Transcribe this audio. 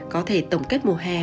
có thể tổng kết mùa hè